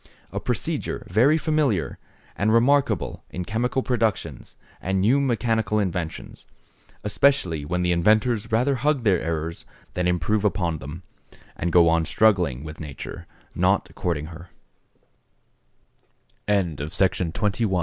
A procedure very familiar, and remarkable in chemical productions, and new mechanical inventions; especially when the inventors rather hug their errors than improve upon them, and go on struggling with nature, not courting her. XXI.—DEUCALION, OR RESTITUTION.